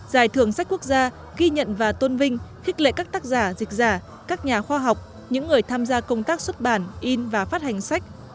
giải thưởng sách quốc gia ghi nhận và tôn vinh khích lệ các tác giả dịch giả các nhà khoa học những người tham gia công tác xuất bản in và phát hành sách